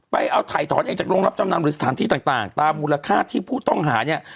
ไปเอาถ่ายถอนเองจากโรงรับจำนำหรือสถานที่ต่างตามมูลค่าที่ผู้ต้องหาเนี่ย